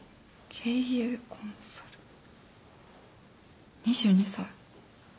経営コンサル２２歳。